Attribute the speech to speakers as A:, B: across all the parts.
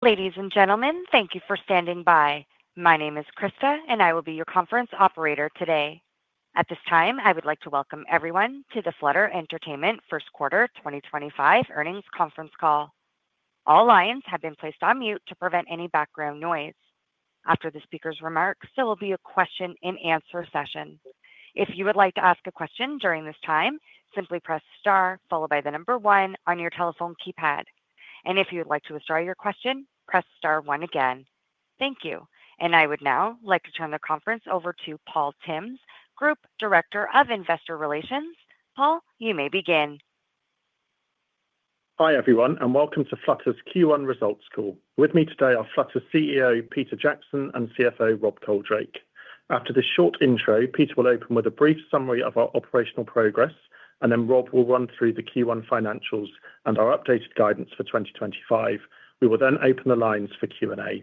A: Ladies and gentlemen, thank you for standing by. My name is Krista, and I will be your conference operator today. At this time, I would like to welcome everyone to the Flutter Entertainment First Quarter 2025 earnings conference call. All lines have been placed on mute to prevent any background noise. After the speaker's remarks, there will be a question-and-answer session. If you would like to ask a question during this time, simply press star followed by the number one on your telephone keypad. If you would like to withdraw your question, press star one again. Thank you. I would now like to turn the conference over to Paul Tymms, Group Director of Investor Relations. Paul, you may begin.
B: Hi everyone, and welcome to Flutter's Q1 Results Call. With me today are Flutter's CEO, Peter Jackson, and CFO, Rob Coldrake. After this short intro, Peter will open with a brief summary of our operational progress, and then Rob will run through the Q1 financials and our updated guidance for 2025. We will then open the lines for Q&A.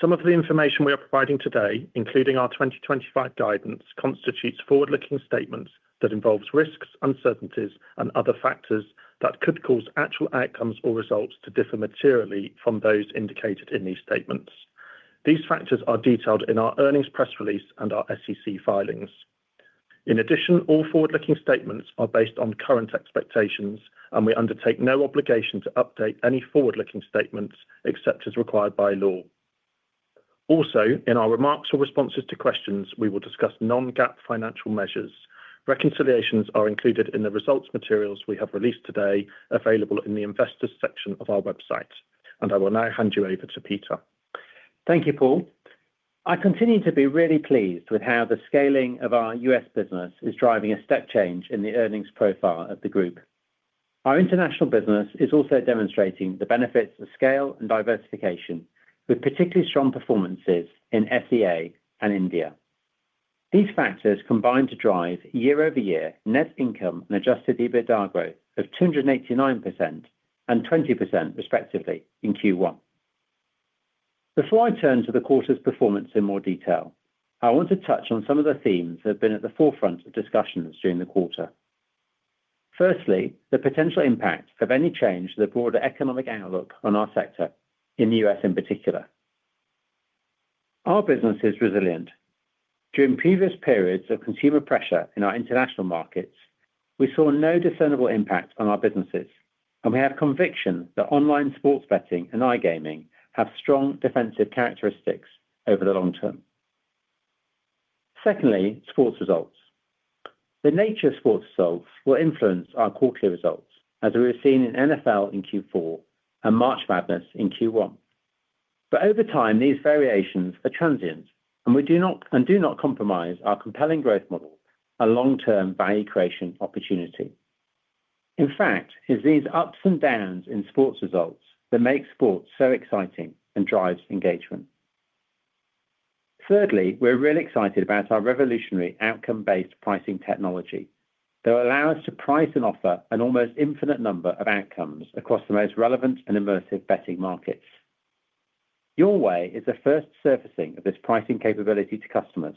B: Some of the information we are providing today, including our 2025 guidance, constitutes forward-looking statements that involve risks, uncertainties, and other factors that could cause actual outcomes or results to differ materially from those indicated in these statements. These factors are detailed in our earnings press release and our SEC filings. In addition, all forward-looking statements are based on current expectations, and we undertake no obligation to update any forward-looking statements except as required by law. Also, in our remarks or responses to questions, we will discuss non-GAAP financial measures. Reconciliations are included in the results materials we have released today, available in the Investors section of our website. I will now hand you over to Peter.
C: Thank you, Paul. I continue to be really pleased with how the scaling of our US business is driving a step change in the earnings profile of the group. Our international business is also demonstrating the benefits of scale and diversification, with particularly strong performances in SEA and India. These factors combine to drive year-over-year net income and adjusted EBITDA growth of 289% and 20%, respectively, in Q1. Before I turn to the quarter's performance in more detail, I want to touch on some of the themes that have been at the forefront of discussions during the quarter. Firstly, the potential impact of any change to the broader economic outlook on our sector, in the US in particular. Our business is resilient. During previous periods of consumer pressure in our international markets, we saw no discernible impact on our businesses, and we have conviction that online sports betting and iGaming have strong defensive characteristics over the long term. Secondly, sports results. The nature of sports results will influence our quarterly results, as we have seen in NFL in Q4 and March Madness in Q1. Over time, these variations are transient, and we do not compromise our compelling growth model and long-term value creation opportunity. In fact, it's these ups and downs in sports results that make sports so exciting and drive engagement. Thirdly, we're really excited about our revolutionary outcome-based pricing technology that will allow us to price and offer an almost infinite number of outcomes across the most relevant and immersive betting markets. Your Way is the first surfacing of this pricing capability to customers,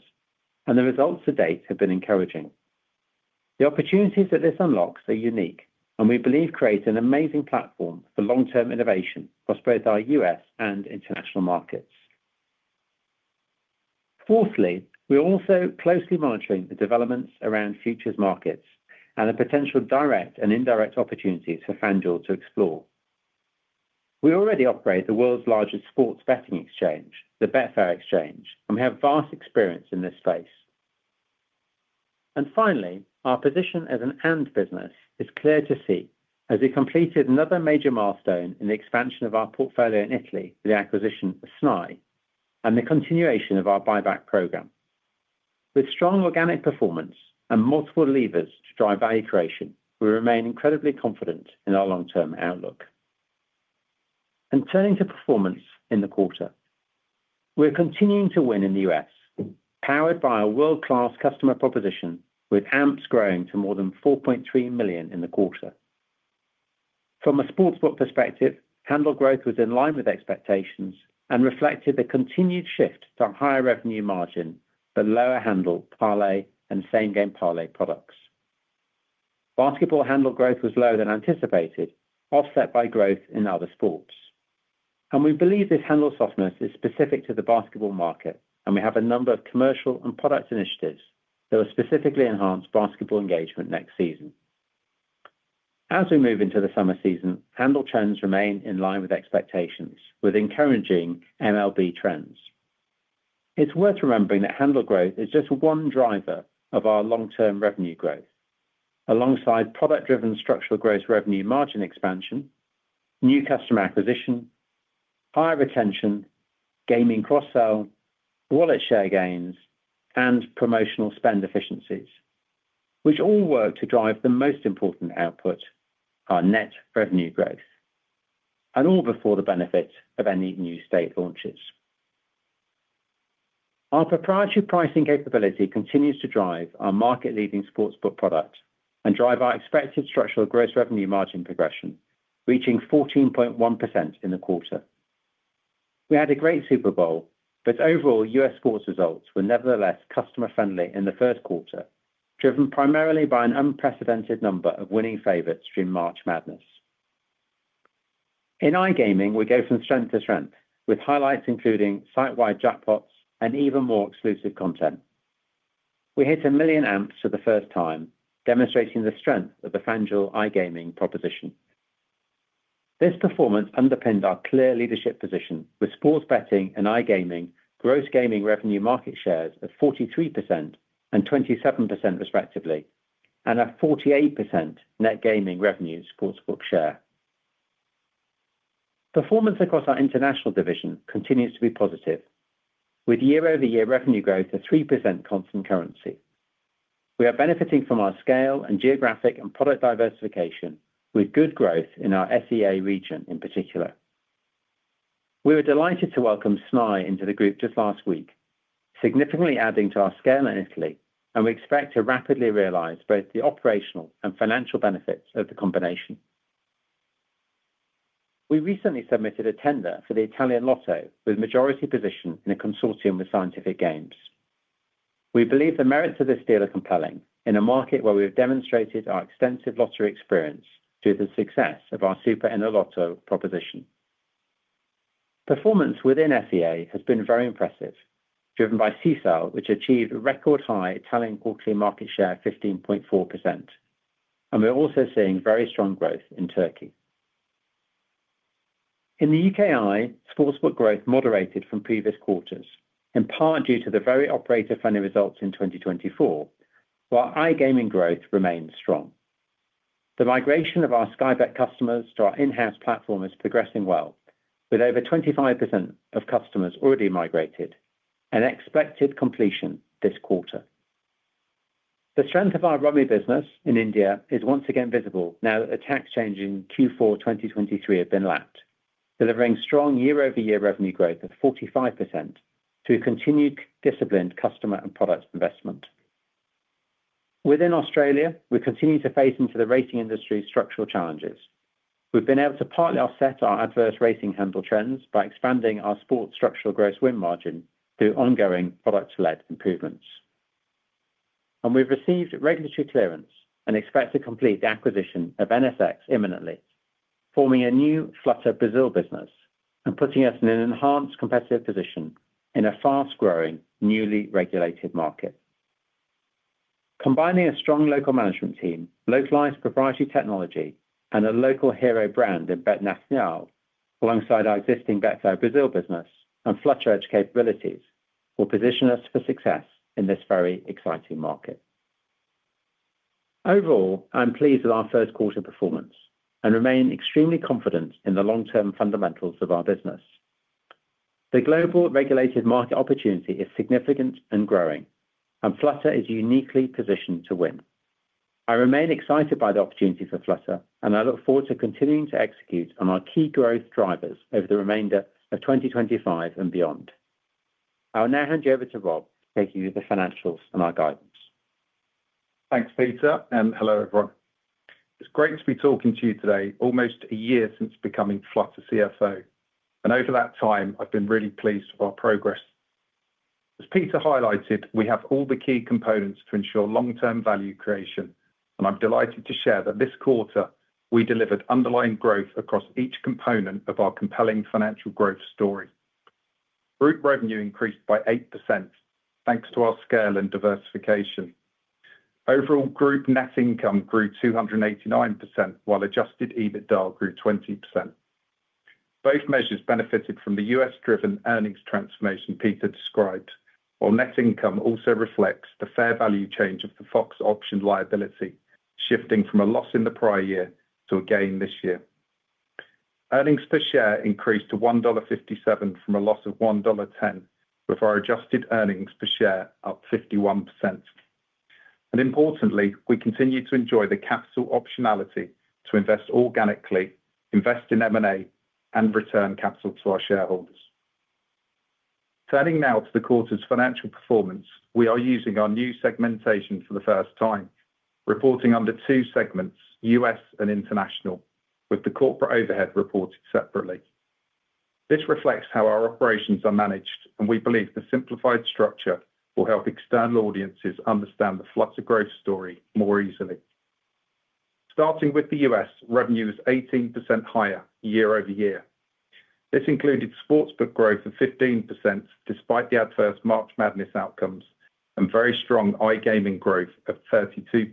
C: and the results to date have been encouraging. The opportunities that this unlocks are unique, and we believe create an amazing platform for long-term innovation across both our US and international markets. Fourthly, we are also closely monitoring the developments around futures markets and the potential direct and indirect opportunities for FanDuel to explore. We already operate the world's largest sports betting exchange, the Betfair Exchange, and we have vast experience in this space. Finally, our position as an and business is clear to see, as we completed another major milestone in the expansion of our portfolio in Italy with the acquisition of SNAI and the continuation of our buyback program. With strong organic performance and multiple levers to drive value creation, we remain incredibly confident in our long-term outlook. Turning to performance in the quarter, we're continuing to win in the US, powered by our world-class customer proposition, with AMPs growing to more than 4.3 million in the quarter. From a Sports Book perspective, handle growth was in line with expectations and reflected the continued shift to a higher revenue margin for lower handle parlay and same-game parlay products. Basketball handle growth was lower than anticipated, offset by growth in other sports. We believe this handle softness is specific to the basketball market, and we have a number of commercial and product initiatives that will specifically enhance basketball engagement next season. As we move into the summer season, handle trends remain in line with expectations, with encouraging MLB trends. It's worth remembering that handle growth is just one driver of our long-term revenue growth, alongside product-driven structural growth, revenue margin expansion, new customer acquisition, higher retention, gaming cross-sell, wallet share gains, and promotional spend efficiencies, which all work to drive the most important output, our net revenue growth, and all before the benefit of any new state launches. Our proprietary pricing capability continues to drive our market-leading sports book product and drive our expected structural gross revenue margin progression, reaching 14.1% in the quarter. We had a great Super Bowl, but overall U.S. sports results were nevertheless customer-friendly in the first quarter, driven primarily by an unprecedented number of winning favorites during March Madness. In iGaming, we go from strength to strength, with highlights including site-wide jackpots and even more exclusive content. We hit a million AMPs for the first time, demonstrating the strength of the FanDuel iGaming proposition. This performance underpinned our clear leadership position, with sports betting and iGaming gross gaming revenue market shares of 43% and 27%, respectively, and a 48% net gaming revenue sports book share. Performance across our international division continues to be positive, with year-over-year revenue growth of 3% constant currency. We are benefiting from our scale and geographic and product diversification, with good growth in our SEA region in particular. We were delighted to welcome SNAI into the group just last week, significantly adding to our scale in Italy, and we expect to rapidly realize both the operational and financial benefits of the combination. We recently submitted a tender for the Italian Lotto with majority position in a consortium with Scientific Games. We believe the merits of this deal are compelling in a market where we have demonstrated our extensive lottery experience due to the success of our Super NLotto proposition. Performance within SEA has been very impressive, driven by CSEL, which achieved a record high Italian quarterly market share of 15.4%, and we're also seeing very strong growth in Turkey. In the UKI, sports book growth moderated from previous quarters, in part due to the very operator-friendly results in 2024, while iGaming growth remained strong. The migration of our Sky Bet customers to our in-house platform is progressing well, with over 25% of customers already migrated and expected completion this quarter. The strength of our Rummy business in India is once again visible now that the tax changes in Q4 2023 have been lapped, delivering strong year-over-year revenue growth of 45% through continued disciplined customer and product investment. Within Australia, we continue to face into the racing industry's structural challenges. We've been able to partly offset our adverse racing handle trends by expanding our sports structural gross win margin through ongoing product-led improvements. We have received regulatory clearance and expect to complete the acquisition of NSX imminently, forming a new Flutter Brazil business and putting us in an enhanced competitive position in a fast-growing, newly regulated market. Combining a strong local management team, localized proprietary technology, and a local hero brand in NSX, alongside our existing Betfair Brazil business and FlutterEdge capabilities, will position us for success in this very exciting market. Overall, I'm pleased with our first quarter performance and remain extremely confident in the long-term fundamentals of our business. The global regulated market opportunity is significant and growing, and Flutter is uniquely positioned to win. I remain excited by the opportunity for Flutter, and I look forward to continuing to execute on our key growth drivers over the remainder of 2025 and beyond. I'll now hand you over to Rob, taking you through the financials and our guidance.
B: Thanks, Peter, and hello, everyone. It's great to be talking to you today, almost a year since becoming Flutter CFO. Over that time, I've been really pleased with our progress. As Peter highlighted, we have all the key components to ensure long-term value creation, and I'm delighted to share that this quarter, we delivered underlying growth across each component of our compelling financial growth story. Group revenue increased by 8%, thanks to our scale and diversification. Overall, group net income grew 289%, while adjusted EBITDA grew 20%. Both measures benefited from the US-driven earnings transformation Peter described, while net income also reflects the fair value change of the Fox option liability, shifting from a loss in the prior year to a gain this year. Earnings per share increased to $1.57 from a loss of $1.10, with our adjusted earnings per share up 51%. Importantly, we continue to enjoy the capital optionality to invest organically, invest in M&A, and return capital to our shareholders. Turning now to the quarter's financial performance, we are using our new segmentation for the first time, reporting under two segments, US and international, with the corporate overhead reported separately. This reflects how our operations are managed, and we believe the simplified structure will help external audiences understand the Flutter growth story more easily. Starting with the US, revenue was 18% higher year-over-year. This included sports book growth of 15%, despite the adverse March Madness outcomes, and very strong iGaming growth of 32%.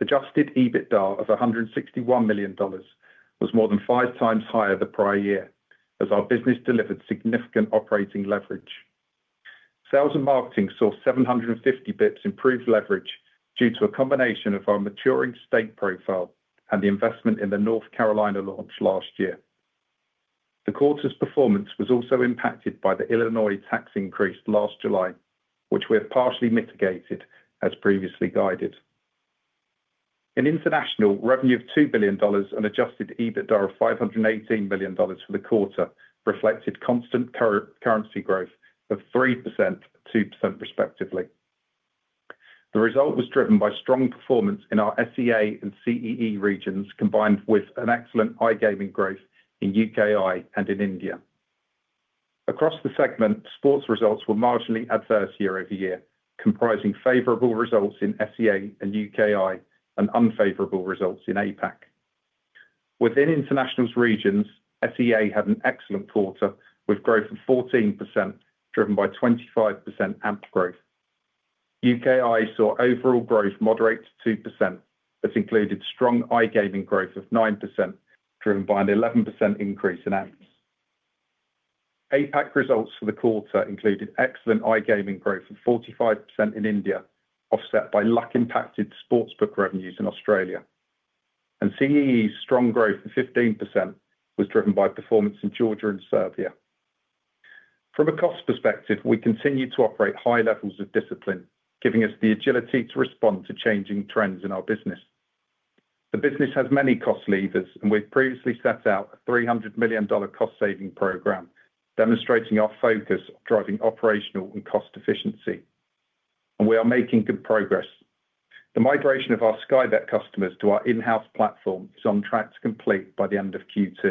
B: Adjusted EBITDA of $161 million was more than five times higher the prior year, as our business delivered significant operating leverage. Sales and marketing saw 750 basis points improved leverage due to a combination of our maturing state profile and the investment in the North Carolina launch last year. The quarter's performance was also impacted by the Illinois tax increase last July, which we have partially mitigated, as previously guided. In international, revenue of $2 billion and adjusted EBITDA of $518 million for the quarter reflected constant currency growth of 3% and 2%, respectively. The result was driven by strong performance in our SEA and CEE regions, combined with an excellent iGaming growth in UKI and in India. Across the segment, sports results were marginally adverse year-over-year, comprising favorable results in SEA and UKI and unfavorable results in APAC. Within international regions, SEA had an excellent quarter, with growth of 14%, driven by 25% AMPs growth. UKI saw overall growth moderate to 2%, but included strong iGaming growth of 9%, driven by an 11% increase in AMPs. APAC results for the quarter included excellent iGaming growth of 45% in India, offset by luck-impacted Sports Book revenues in Australia. CEE's strong growth of 15% was driven by performance in Georgia and Serbia. From a cost perspective, we continue to operate high levels of discipline, giving us the agility to respond to changing trends in our business. The business has many cost levers, and we've previously set out a $300 million cost-saving program, demonstrating our focus on driving operational and cost efficiency. We are making good progress. The migration of our Sky Bet customers to our in-house platform is on track to complete by the end of Q2,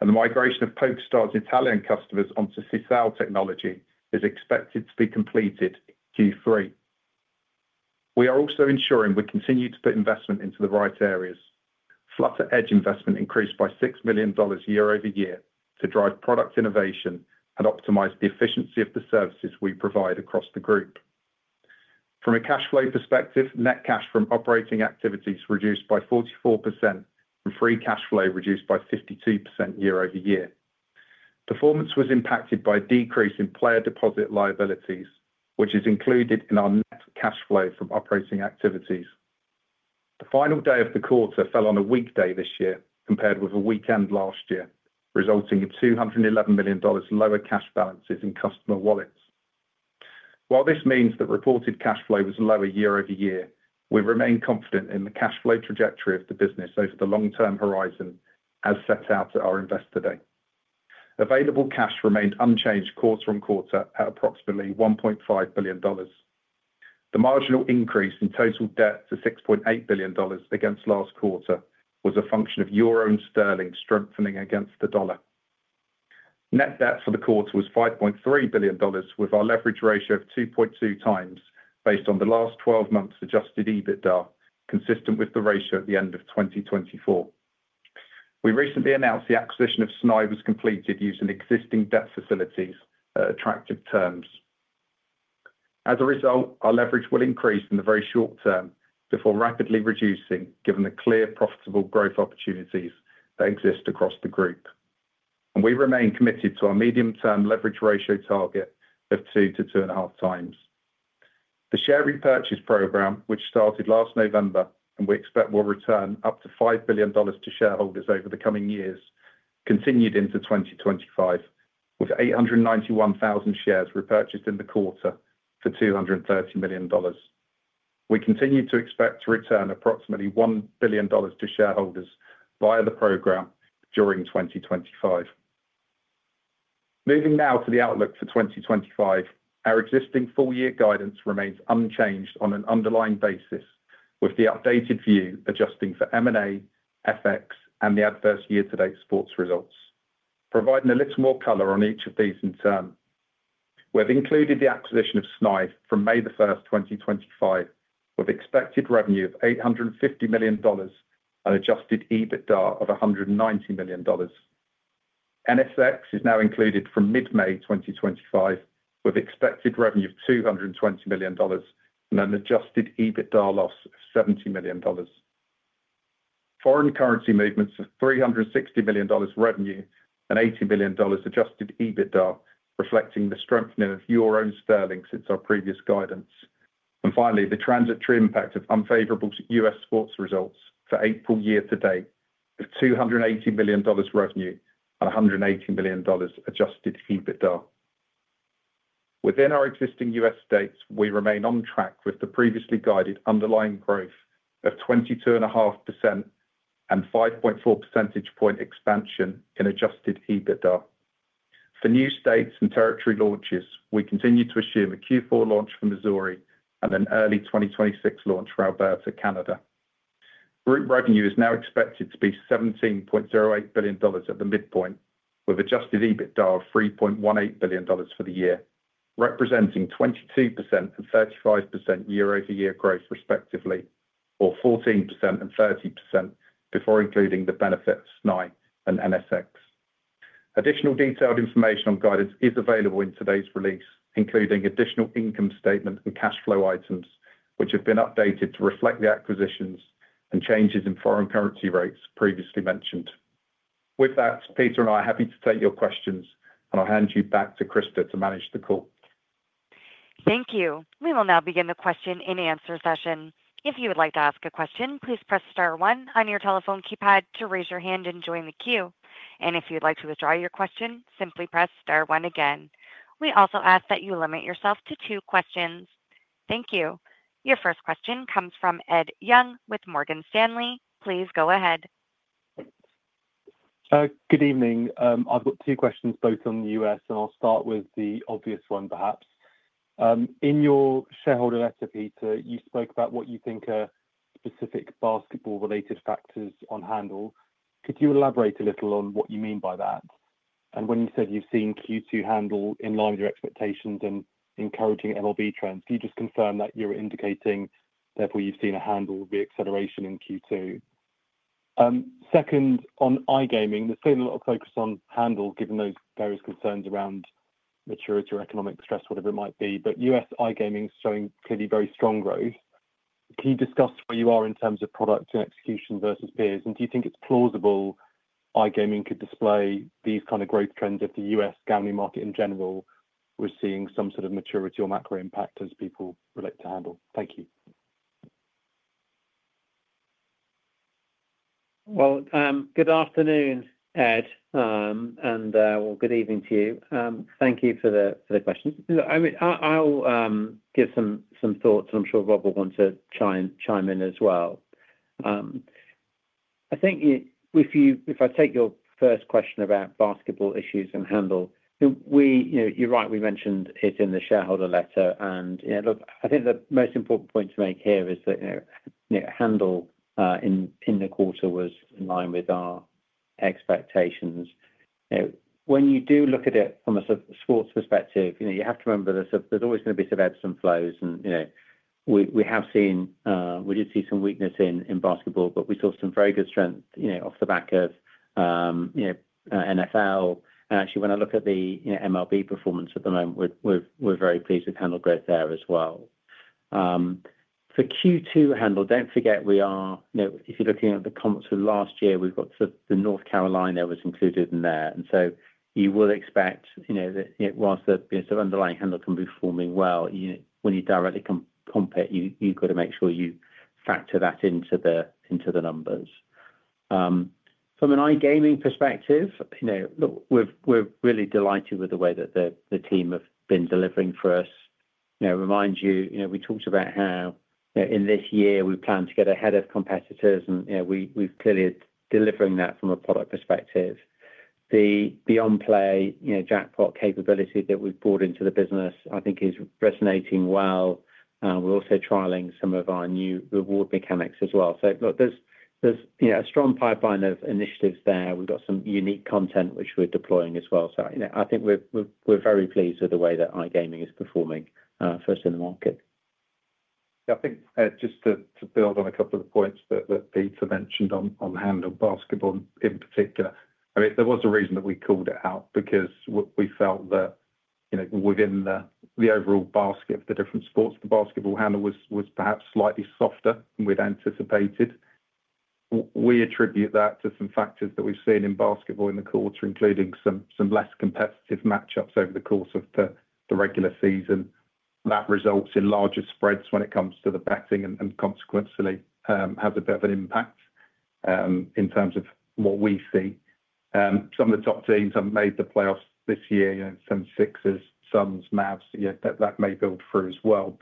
B: and the migration of PokerStars' Italian customers onto CSEL technology is expected to be completed Q3. We are also ensuring we continue to put investment into the right areas. FlutterEdge investment increased by $6 million year-over-year to drive product innovation and optimize the efficiency of the services we provide across the group. From a cash flow perspective, net cash from operating activities reduced by 44%, and free cash flow reduced by 52% year-over-year. Performance was impacted by a decrease in player deposit liabilities, which is included in our net cash flow from operating activities. The final day of the quarter fell on a weekday this year, compared with a weekend last year, resulting in $211 million lower cash balances in customer wallets. While this means that reported cash flow was lower year-over-year, we remain confident in the cash flow trajectory of the business over the long-term horizon, as set out at our investor day. Available cash remained unchanged quarter on quarter at approximately $1.5 billion. The marginal increase in total debt to $6.8 billion against last quarter was a function of euro and sterling strengthening against the dollar. Net debt for the quarter was $5.3 billion, with our leverage ratio of 2.2 times, based on the last 12 months' adjusted EBITDA, consistent with the ratio at the end of 2024. We recently announced the acquisition of SNAI was completed using existing debt facilities at attractive terms. As a result, our leverage will increase in the very short term before rapidly reducing, given the clear profitable growth opportunities that exist across the group. We remain committed to our medium-term leverage ratio target of 2-2.5 times. The share repurchase program, which started last November and we expect will return up to $5 billion to shareholders over the coming years, continued into 2025, with 891,000 shares repurchased in the quarter for $230 million. We continue to expect to return approximately $1 billion to shareholders via the program during 2025. Moving now to the outlook for 2025, our existing full-year guidance remains unchanged on an underlying basis, with the updated view adjusting for M&A, FX, and the adverse year-to-date sports results, providing a little more color on each of these in turn. We have included the acquisition of SNAI from May 1, 2025, with expected revenue of $850 million and adjusted EBITDA of $190 million. NSX is now included from mid-May 2025, with expected revenue of $220 million and an adjusted EBITDA loss of $70 million. Foreign currency movements of $360 million revenue and $80 million adjusted EBITDA, reflecting the strengthening of euro and sterling since our previous guidance. Finally, the transitory impact of unfavorable US sports results for April year-to-date of $280 million revenue and $180 million adjusted EBITDA. Within our existing US states, we remain on track with the previously guided underlying growth of 22.5% and 5.4 percentage point expansion in adjusted EBITDA. For new states and territory launches, we continue to assume a Q4 launch for Missouri and an early 2026 launch for Alberta, Canada. Group revenue is now expected to be $17.08 billion at the midpoint, with adjusted EBITDA of $3.18 billion for the year, representing 22% and 35% year-over-year growth, respectively, or 14% and 30% before including the benefit of SNAI and NSX. Additional detailed information on guidance is available in today's release, including additional income statement and cash flow items, which have been updated to reflect the acquisitions and changes in foreign currency rates previously mentioned. With that, Peter and I are happy to take your questions, and I'll hand you back to Krista to manage the call.
A: Thank you. We will now begin the question and answer session. If you would like to ask a question, please press star one on your telephone keypad to raise your hand and join the queue. If you'd like to withdraw your question, simply press star one again. We also ask that you limit yourself to two questions. Thank you. Your first question comes from Ed Young with Morgan Stanley. Please go ahead.
D: Good evening. I've got two questions, both on the US, and I'll start with the obvious one, perhaps. In your shareholder letter, Peter, you spoke about what you think are specific basketball-related factors on handle. Could you elaborate a little on what you mean by that? When you said you've seen Q2 handle in line with your expectations and encouraging MLB trends, can you just confirm that you're indicating therefore you've seen a handle with the acceleration in Q2? Second, on iGaming, there's been a lot of focus on handle given those various concerns around maturity or economic stress, whatever it might be, but US iGaming is showing clearly very strong growth. Can you discuss where you are in terms of product and execution versus peers? Do you think it's plausible iGaming could display these kinds of growth trends if the US gambling market in general was seeing some sort of maturity or macro impact as people relate to handle? Thank you.
C: Good afternoon, Ed, and/or good evening to you. Thank you for the questions. I'll give some thoughts, and I'm sure Rob will want to chime in as well. I think if I take your first question about basketball issues and handle, you're right, we mentioned it in the shareholder letter. I think the most important point to make here is that handle in the quarter was in line with our expectations. When you do look at it from a sports perspective, you have to remember there's always going to be some ebbs and flows. We have seen, we did see some weakness in basketball, but we saw some very good strength off the back of NFL. Actually, when I look at the MLB performance at the moment, we're very pleased with handle growth there as well. For Q2 handle, do not forget we are, if you are looking at the comps from last year, we have got that North Carolina was included in there. You will expect that whilst the underlying handle can be performing well, when you directly comp it, you have got to make sure you factor that into the numbers. From an iGaming perspective, look, we are really delighted with the way that the team have been delivering for us. Remind you, we talked about how in this year we plan to get ahead of competitors, and we are clearly delivering that from a product perspective. The Beyond Play jackpot capability that we have brought into the business, I think, is resonating well. We are also trialing some of our new reward mechanics as well. There is a strong pipeline of initiatives there. We have got some unique content which we are deploying as well. I think we're very pleased with the way that iGaming is performing first in the market.
D: I think just to build on a couple of the points that Peter mentioned on handle, basketball in particular, I mean, there was a reason that we called it out because we felt that within the overall basket of the different sports, the basketball handle was perhaps slightly softer than we'd anticipated. We attribute that to some factors that we've seen in basketball in the quarter, including some less competitive matchups over the course of the regular season. That results in larger spreads when it comes to the betting and consequently has a bit of an impact in terms of what we see. Some of the top teams have made the playoffs this year, some Sixers, Suns, Mavs, that may build through as well.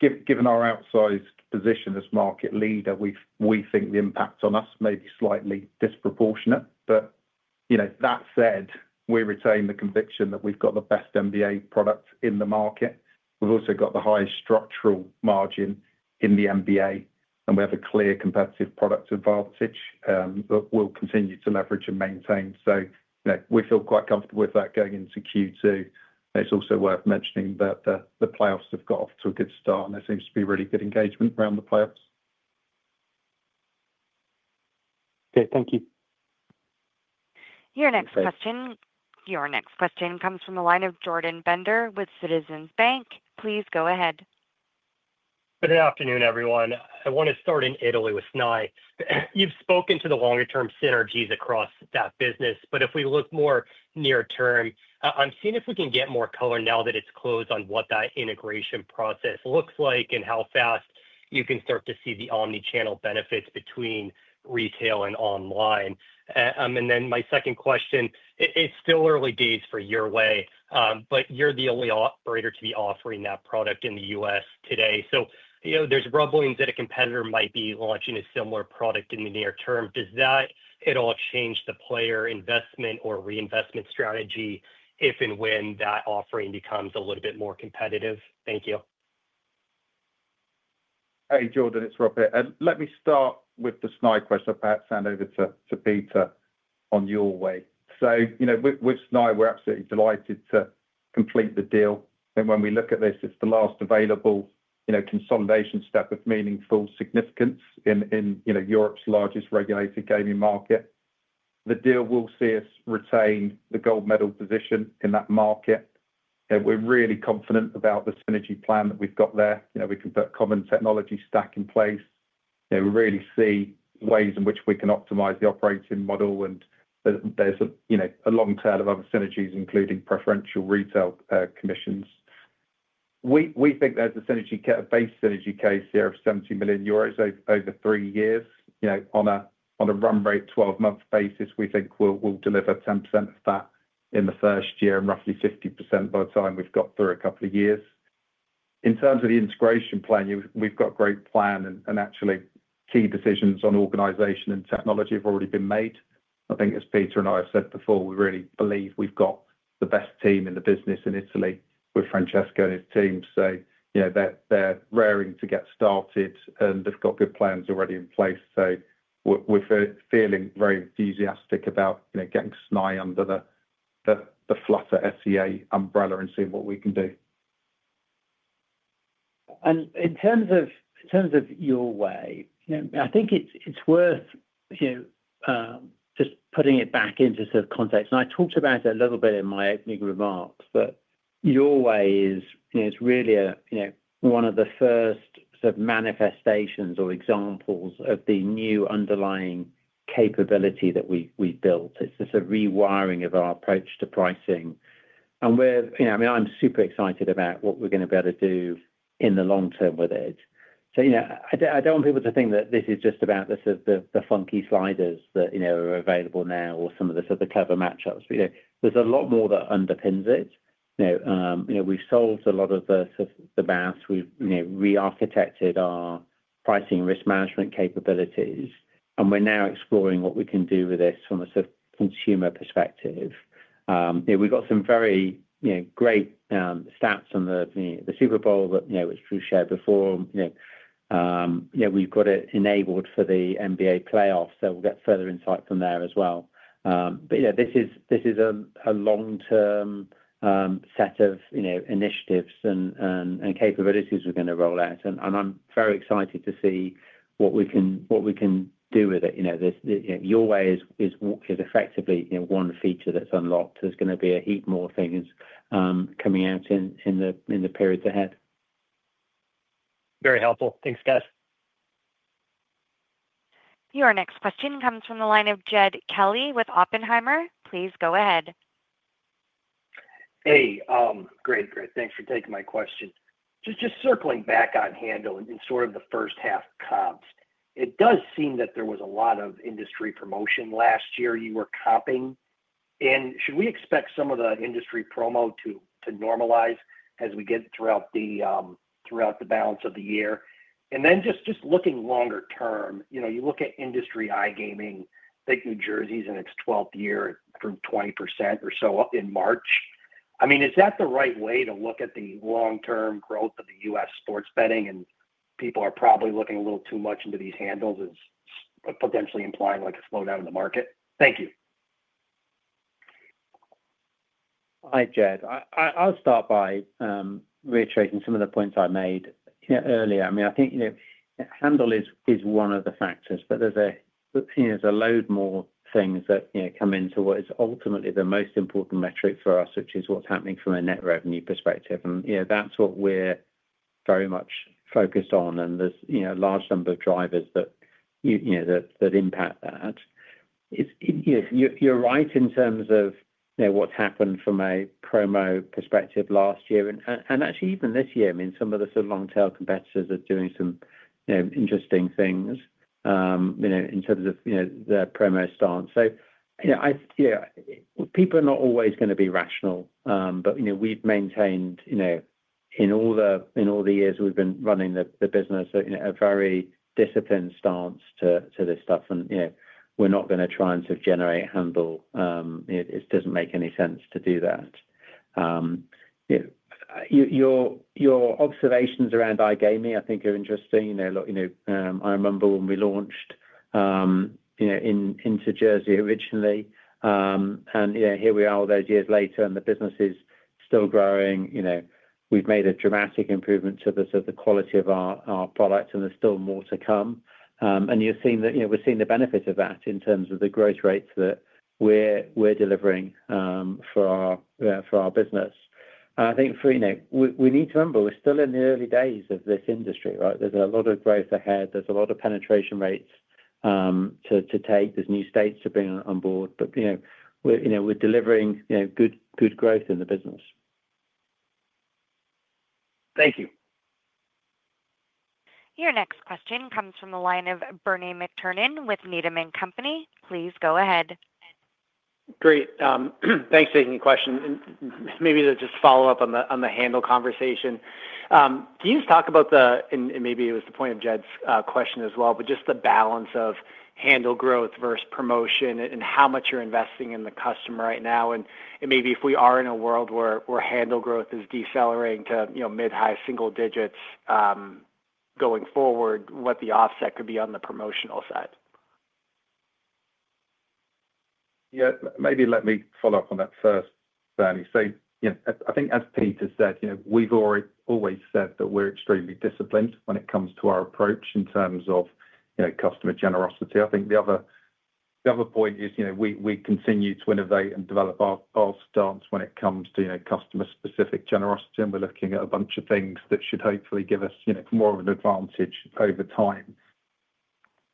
D: Given our outsized position as market leader, we think the impact on us may be slightly disproportionate. That said, we retain the conviction that we've got the best NBA product in the market. We've also got the highest structural margin in the NBA, and we have a clear competitive product advantage that we'll continue to leverage and maintain. We feel quite comfortable with that going into Q2. It's also worth mentioning that the playoffs have got off to a good start, and there seems to be really good engagement around the playoffs. Okay, thank you.
A: Your next question comes from the line of Jordan Bender with Citizens Bank. Please go ahead.
E: Good afternoon, everyone. I want to start in Italy with SNAI. You've spoken to the longer-term synergies across that business, but if we look more near term, I'm seeing if we can get more color now that it's closed on what that integration process looks like and how fast you can start to see the omnichannel benefits between retail and online. My second question, it's still early days for Your Way, but you're the only operator to be offering that product in the US today. There's rumblings that a competitor might be launching a similar product in the near term. Does that at all change the player investment or reinvestment strategy if and when that offering becomes a little bit more competitive? Thank you.
D: Hey, Jordan, it's Rob here. Let me start with the SNAI question, perhaps hand over to Peter on Your Way. With SNAI, we're absolutely delighted to complete the deal. When we look at this, it's the last available consolidation step of meaningful significance in Europe's largest regulated gaming market. The deal will see us retain the gold medal position in that market. We're really confident about the synergy plan that we've got there. We can put a common technology stack in place. We really see ways in which we can optimize the operating model, and there's a long tail of other synergies, including preferential retail commissions. We think there's a base synergy case here of 70 million euros over three years. On a run rate 12-month basis, we think we'll deliver 10% of that in the first year and roughly 50% by the time we've got through a couple of years. In terms of the integration plan, we've got a great plan, and actually, key decisions on organization and technology have already been made. I think, as Peter and I have said before, we really believe we've got the best team in the business in Italy with Francesco and his team. They're raring to get started, and they've got good plans already in place. We're feeling very enthusiastic about getting SNAI under the Flutter SEA umbrella and seeing what we can do.
F: In terms of Your Way, I think it's worth just putting it back into sort of context. I talked about it a little bit in my opening remarks, but Your Way is really one of the first sort of manifestations or examples of the new underlying capability that we've built. It's a rewiring of our approach to pricing. I mean, I'm super excited about what we're going to be able to do in the long term with it. I don't want people to think that this is just about the funky sliders that are available now or some of the sort of clever matchups. There's a lot more that underpins it. We've solved a lot of the math. We've re-architected our pricing risk management capabilities, and we're now exploring what we can do with this from a sort of consumer perspective. We've got some very great stats on the Super Bowl that was shared before. We've got it enabled for the NBA playoffs, so we'll get further insight from there as well. This is a long-term set of initiatives and capabilities we're going to roll out, and I'm very excited to see what we can do with it. Your Way is effectively one feature that's unlocked. There's going to be a heap more things coming out in the periods ahead.
E: Very helpful. Thanks, guys.
A: Your next question comes from the line of Jed Kelly with Oppenheimer. Please go ahead.
G: Hey, great, great. Thanks for taking my question. Just circling back on handle and sort of the first half comps, it does seem that there was a lot of industry promotion last year. You were comping, and should we expect some of the industry promo to normalize as we get throughout the balance of the year? Then just looking longer term, you look at industry iGaming, I think New Jersey's in its 12th year through 20% or so in March. I mean, is that the right way to look at the long-term growth of the US sports betting? People are probably looking a little too much into these handles as potentially implying a slowdown in the market. Thank you.
C: Hi, Jed. I'll start by reiterating some of the points I made earlier. I mean, I think handle is one of the factors, but there's a load more things that come into what is ultimately the most important metric for us, which is what's happening from a net revenue perspective. That's what we're very much focused on, and there's a large number of drivers that impact that. You're right in terms of what's happened from a promo perspective last year. Actually, even this year, I mean, some of the sort of long-tail competitors are doing some interesting things in terms of their promo stance. People are not always going to be rational, but we've maintained in all the years we've been running the business a very disciplined stance to this stuff. We're not going to try and sort of generate handle. It doesn't make any sense to do that. Your observations around iGaming, I think, are interesting. I remember when we launched into New Jersey originally, and here we are all those years later, and the business is still growing. We've made a dramatic improvement to the quality of our product, and there's still more to come. You've seen that we've seen the benefit of that in terms of the growth rates that we're delivering for our business. I think we need to remember we're still in the early days of this industry, right? There's a lot of growth ahead. There's a lot of penetration rates to take. There's new states to bring on board, but we're delivering good growth in the business.
G: Thank you.
A: Your next question comes from the line of Bernie McTernan with Needham & Company. Please go ahead.
H: Great. Thanks for taking the question. Maybe to just follow up on the handle conversation, can you just talk about the—and maybe it was the point of Jed's question as well—but just the balance of handle growth versus promotion and how much you're investing in the customer right now? Maybe if we are in a world where handle growth is decelerating to mid-high single digits going forward, what the offset could be on the promotional side?
D: Yeah, maybe let me follow up on that first, Bernie. I think, as Peter said, we've always said that we're extremely disciplined when it comes to our approach in terms of customer generosity. I think the other point is we continue to innovate and develop our stance when it comes to customer-specific generosity, and we're looking at a bunch of things that should hopefully give us more of an advantage over time.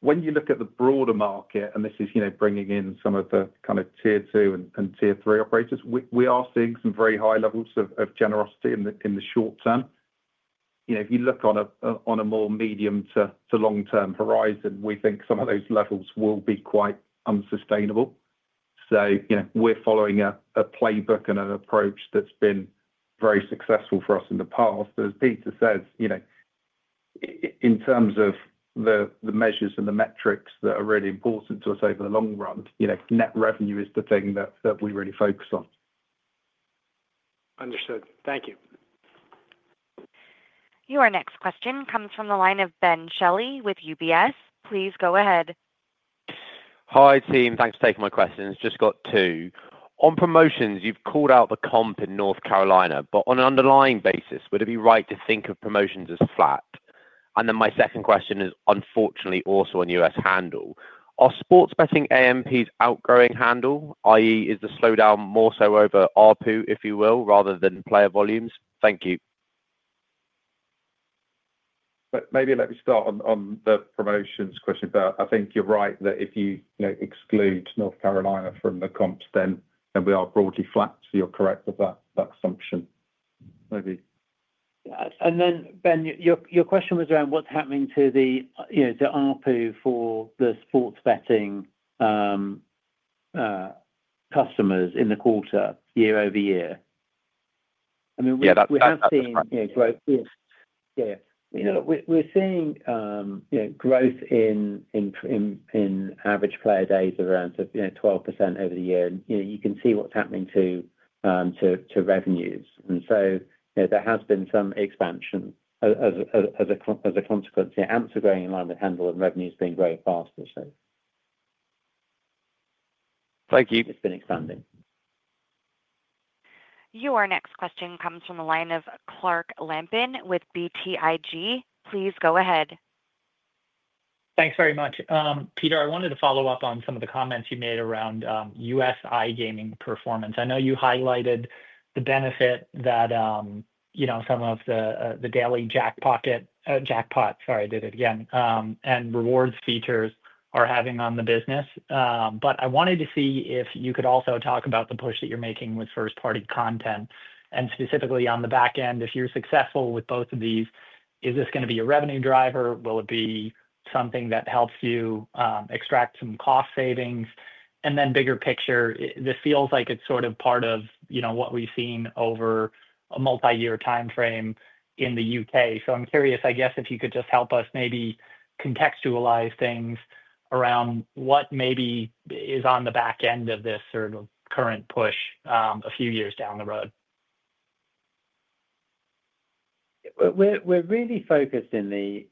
D: When you look at the broader market, and this is bringing in some of the kind of tier two and tier three operators, we are seeing some very high levels of generosity in the short term. If you look on a more medium to long-term horizon, we think some of those levels will be quite unsustainable. We're following a playbook and an approach that's been very successful for us in the past. As Peter says, in terms of the measures and the metrics that are really important to us over the long run, net revenue is the thing that we really focus on.
H: Understood. Thank you.
A: Your next question comes from the line of Benjamin Shelley with UBS. Please go ahead.
I: Hi, team. Thanks for taking my questions. Just got two. On promotions, you've called out the comp in North Carolina, but on an underlying basis, would it be right to think of promotions as flat? My second question is, unfortunately, also on US handle. Are sports betting AMPs outgrowing handle, i.e., is the slowdown more so over RPU, if you will, rather than player volumes? Thank you.
D: Maybe let me start on the promotions question. I think you're right that if you exclude North Carolina from the comps, then we are broadly flat. So you're correct with that assumption. Maybe.
C: Yeah. Ben, your question was around what's happening to the RPU for the sports betting customers in the quarter, year over year. I mean, we have seen growth. Yeah. We're seeing growth in average player days of around 12% over the year, and you can see what's happening to revenues. There has been some expansion as a consequence. The AMPs are growing in line with handle, and revenues are being grown faster.
I: Thank you.
C: It's been expanding.
A: Your next question comes from the line of Clark Lampen with BTIG. Please go ahead.
J: Thanks very much. Peter, I wanted to follow up on some of the comments you made around US iGaming performance. I know you highlighted the benefit that some of the daily jackpot—sorry, I did it again—and rewards features are having on the business. I wanted to see if you could also talk about the push that you're making with first-party content, and specifically on the back end, if you're successful with both of these, is this going to be a revenue driver? Will it be something that helps you extract some cost savings? Bigger picture, this feels like it's sort of part of what we've seen over a multi-year timeframe in the UK. I'm curious, I guess, if you could just help us maybe contextualize things around what maybe is on the back end of this sort of current push a few years down the road.
C: We're really focused in the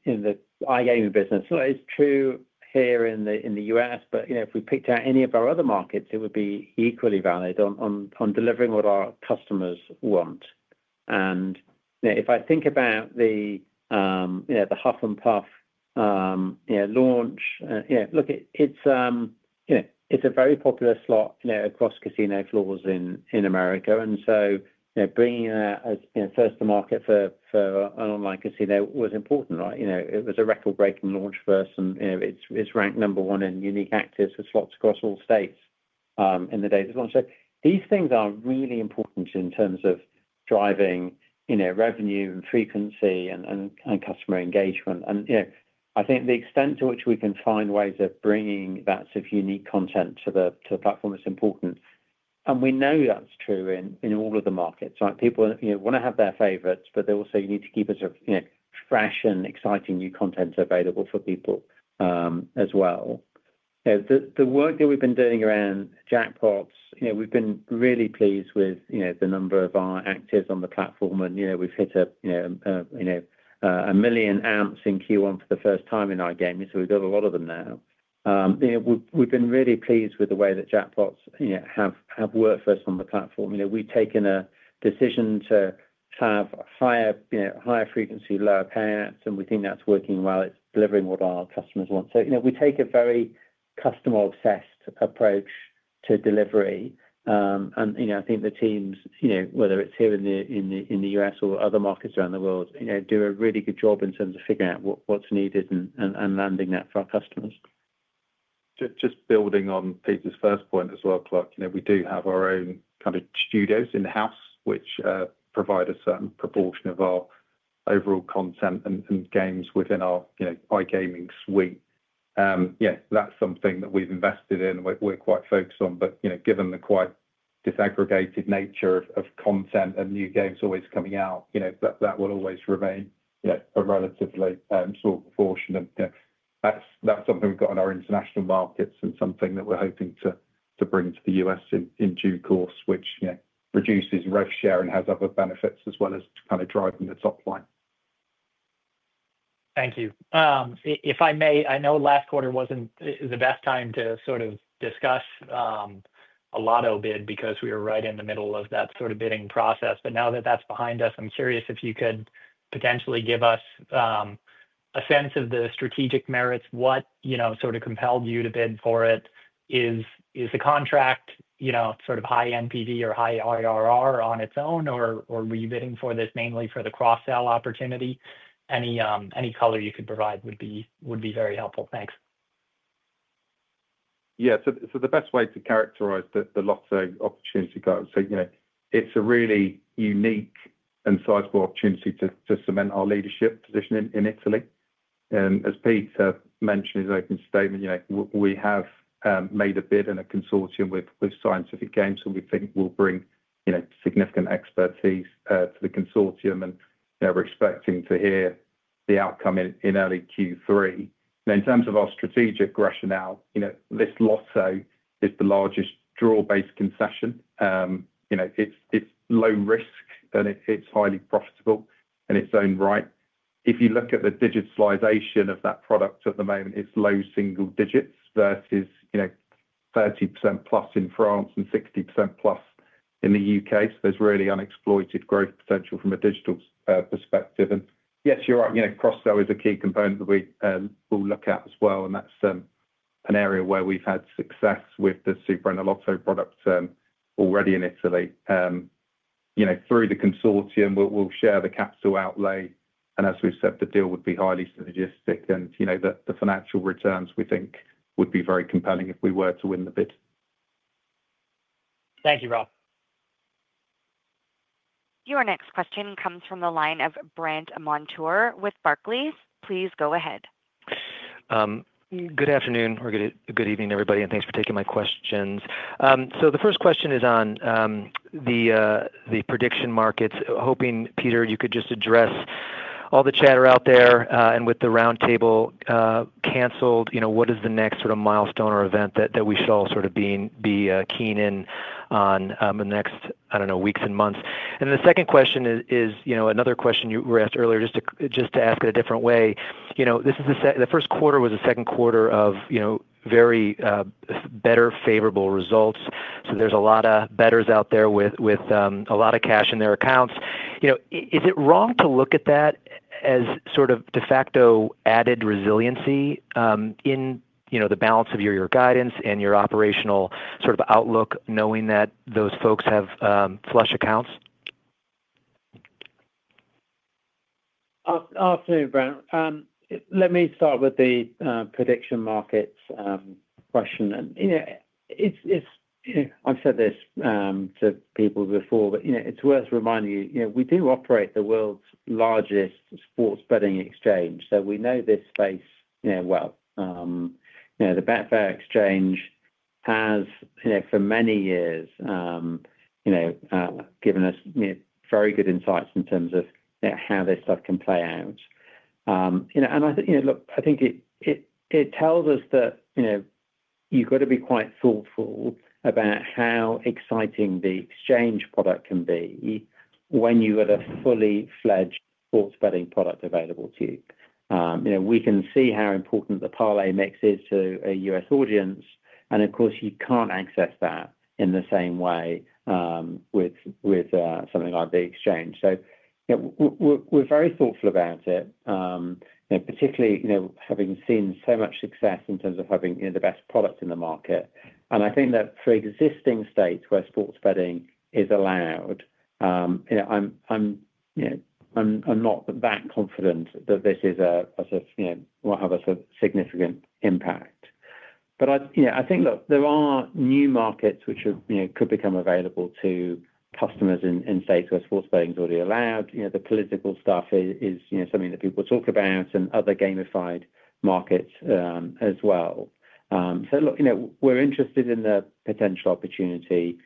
C: iGaming business. It's true here in the US, but if we picked out any of our other markets, it would be equally valid on delivering what our customers want. If I think about the Huff and Puff launch, look, it's a very popular slot across casino floors in America. Bringing that as first to market for an online casino was important, right? It was a record-breaking launch for us, and it's ranked number one in unique access for slots across all states in the days of launch. These things are really important in terms of driving revenue and frequency and customer engagement. I think the extent to which we can find ways of bringing that sort of unique content to the platform is important. We know that's true in all of the markets, right?
F: People want to have their favorites, but they also need to keep a sort of fresh and exciting new content available for people as well. The work that we've been doing around jackpots, we've been really pleased with the number of our actives on the platform, and we've hit a million AMPs in Q1 for the first time in iGaming, so we've got a lot of them now. We've been really pleased with the way that jackpots have worked for us on the platform. We've taken a decision to have higher frequency, lower payouts, and we think that's working well. It's delivering what our customers want. We take a very customer-obsessed approach to delivery. I think the teams, whether it's here in the US or other markets around the world, do a really good job in terms of figuring out what's needed and landing that for our customers.
D: Just building on Peter's first point as well, Clark, we do have our own kind of studios in-house, which provide a certain proportion of our overall content and games within our iGaming suite. Yeah, that's something that we've invested in and we're quite focused on. Given the quite disaggregated nature of content and new games always coming out, that will always remain a relatively small proportion. That's something we've got in our international markets and something that we're hoping to bring to the US in due course, which reduces rough share and has other benefits as well as kind of driving the top line.
J: Thank you. If I may, I know last quarter was not the best time to sort of discuss a lotto bid because we were right in the middle of that sort of bidding process. Now that that is behind us, I am curious if you could potentially give us a sense of the strategic merits. What sort of compelled you to bid for it? Is the contract sort of high NPV or high IRR on its own, or were you bidding for this mainly for the cross-sell opportunity? Any color you could provide would be very helpful. Thanks.
D: Yeah. The best way to characterize the lotto opportunity goes, it's a really unique and sizable opportunity to cement our leadership position in Italy. As Peter mentioned in his opening statement, we have made a bid in a consortium with Scientific Games, and we think we'll bring significant expertise to the consortium. We're expecting to hear the outcome in early Q3. Now, in terms of our strategic rationale, this lotto is the largest draw-based concession. It's low risk, and it's highly profitable in its own right. If you look at the digitalization of that product at the moment, it's low single digits versus 30%+ in France and 60%+ in the U.K. There's really unexploited growth potential from a digital perspective. Yes, you're right, cross-sell is a key component that we will look at as well. That's an area where we've had success with the Super NLotto product already in Italy. Through the consortium, we'll share the capital outlay. As we've said, the deal would be highly strategic, and the financial returns we think would be very compelling if we were to win the bid.
J: Thank you, Rob.
A: Your next question comes from the line of Brandt Montour with Barclays. Please go ahead.
K: Good afternoon or good evening, everybody, and thanks for taking my questions. The first question is on the prediction markets. Hoping, Peter, you could just address all the chatter out there. With the roundtable canceled, what is the next sort of milestone or event that we should all sort of be keen in on in the next, I don't know, weeks and months? The second question is another question you were asked earlier, just to ask it a different way. This is the first quarter was the second quarter of very better favorable results. There are a lot of bettors out there with a lot of cash in their accounts. Is it wrong to look at that as sort of de facto added resiliency in the balance of your guidance and your operational sort of outlook, knowing that those folks have flush accounts?
C: Absolutely, Brent. Let me start with the prediction markets question. I've said this to people before, but it's worth reminding you, we do operate the world's largest sports betting exchange. We know this space well. The Betfair Exchange has, for many years, given us very good insights in terms of how this stuff can play out. I think it tells us that you've got to be quite thoughtful about how exciting the exchange product can be when you've got a fully-fledged sports betting product available to you. We can see how important the parlay mix is to a US audience. Of course, you can't access that in the same way with something like the exchange. We're very thoughtful about it, particularly having seen so much success in terms of having the best product in the market. I think that for existing states where sports betting is allowed, I'm not that confident that this will have a significant impact. I think, look, there are new markets which could become available to customers in states where sports betting is already allowed. The political stuff is something that people talk about and other gamified markets as well. Look, we're interested in the potential opportunity.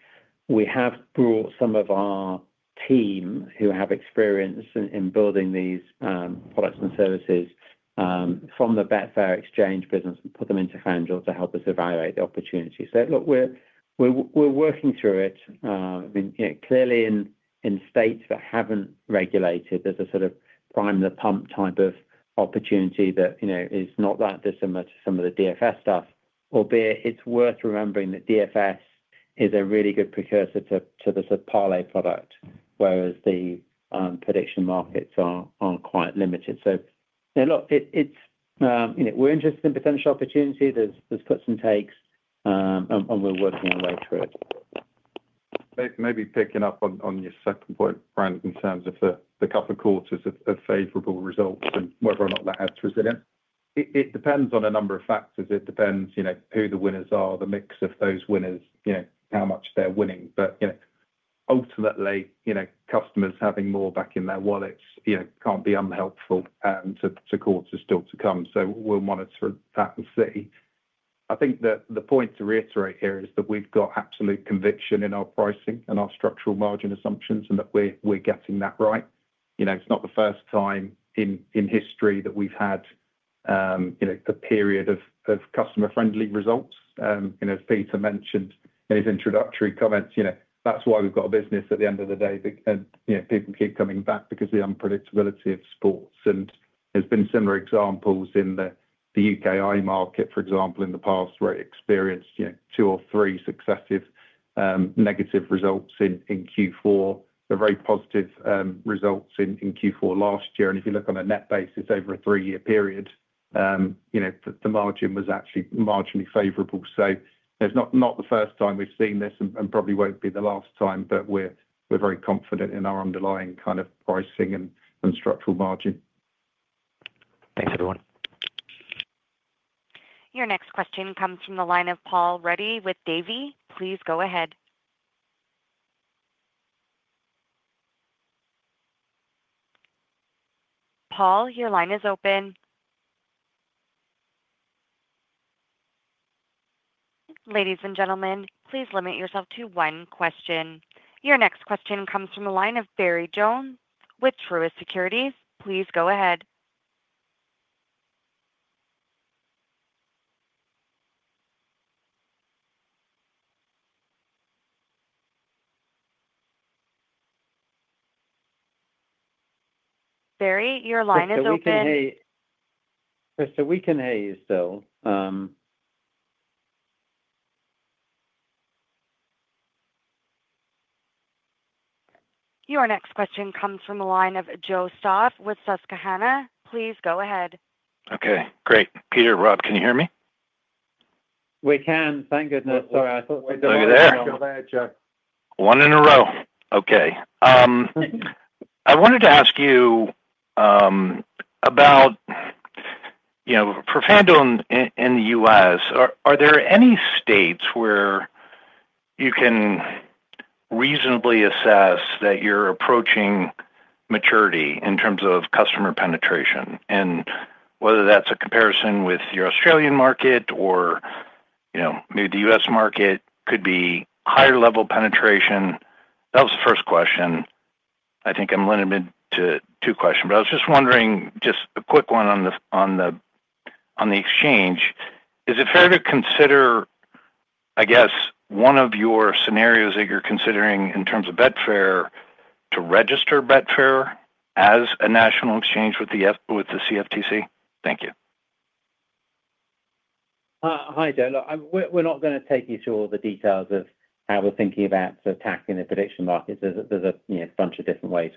C: We have brought some of our team who have experience in building these products and services from the Betfair Exchange business and put them into FanDuel to help us evaluate the opportunity. Look, we're working through it. Clearly, in states that haven't regulated, there's a sort of prime the pump type of opportunity that is not that dissimilar to some of the DFS stuff. Albeit, it's worth remembering that DFS is a really good precursor to the parlay product, whereas the prediction markets are quite limited. Look, we're interested in potential opportunity. There's puts and takes, and we're working our way through it.
D: Maybe picking up on your second point, Brent, in terms of the couple of quarters of favorable results and whether or not that adds resilience. It depends on a number of factors. It depends who the winners are, the mix of those winners, how much they're winning. Ultimately, customers having more back in their wallets cannot be unhelpful to quarters still to come. We will monitor that and see. I think that the point to reiterate here is that we have absolute conviction in our pricing and our structural margin assumptions and that we are getting that right. It is not the first time in history that we have had a period of customer-friendly results. Peter mentioned in his introductory comments, that is why we have a business at the end of the day. People keep coming back because of the unpredictability of sports. There have been similar examples in the UKI market, for example, in the past, where it experienced two or three successive negative results in Q4, but very positive results in Q4 last year. If you look on a net basis over a three-year period, the margin was actually marginally favorable. It is not the first time we have seen this and probably will not be the last time, but we are very confident in our underlying kind of pricing and structural margin.
K: Thanks, everyone.
A: Your next question comes from the line of Paul Ruddy with Davy. Please go ahead. Paul, your line is open. Ladies and gentlemen, please limit yourself to one question. Your next question comes from the line of Barry Jonas with Truist Securities. Please go ahead. Barry, your line is open. We can hear you still. Your next question comes from the line of Joe Stauff with Susquehanna. Please go ahead.
L: Okay. Great. Peter, Rob, can you hear me? We can. Thank goodness. Sorry, I thought we were doing a bit of a short outro. One in a row. Okay. I wanted to ask you about FanDuel in the US, are there any states where you can reasonably assess that you're approaching maturity in terms of customer penetration? And whether that's a comparison with your Australian market or maybe the US market could be higher level penetration. That was the first question. I think I'm limited to two questions. But I was just wondering, just a quick one on the exchange. Is it fair to consider, I guess, one of your scenarios that you're considering in terms of Betfair to register Betfair as a national exchange with the CFTC? Thank you.
C: Hi, Joe. Look, we're not going to take you through all the details of how we're thinking about attacking the prediction markets. There's a bunch of different ways